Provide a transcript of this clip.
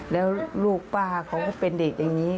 แล้วลูกป้าเขาก็เป็นเด็กอย่างนี้